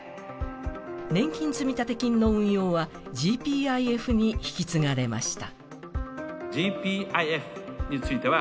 年金積立金の運用はＧＰＩＦに引き継がれました。